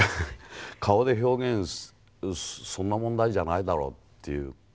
顔で表現そんな問題じゃないだろうっていう。